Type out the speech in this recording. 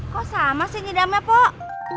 kok sama sih nidamnya pok